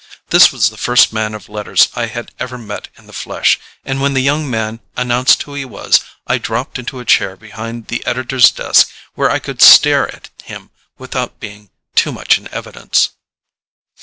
This was the first man of letters I had ever met in the flesh, and when the young man announced who he was, I dropped into a chair behind the editor's desk where I could stare at him without being too much in evidence.